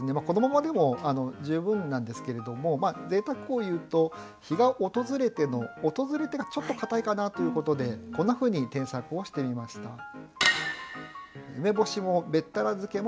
このままでも十分なんですけれどもぜいたくを言うと「日が訪れて」の「訪れて」がちょっとかたいかなということでこんなふうに添削をしてみました。